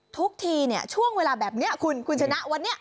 ทุกทีเนี่ยช่วงเวลาแบบนี้คุณคุณชนะวันนี้